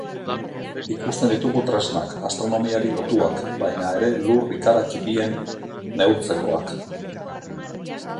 Ikusten ditugu tresnak, astronomiari lotuak, baita ere lur ikara ttipien neurtzekoak.